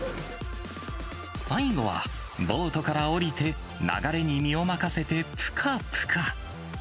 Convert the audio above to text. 最後は、ボートから降りて、流れに身を任せてぷかぷか。